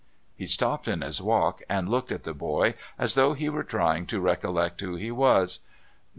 He stopped in his walk and looked at the boy as though he were trying to recollect who he was.